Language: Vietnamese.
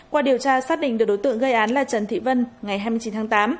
qua điều tra xác định được đối tượng gây án là trần thị vân ngày hai mươi chín tháng tám